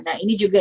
nah ini juga